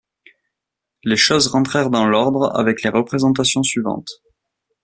Les choses rentrèrent dans l'ordre avec les représentations suivantes.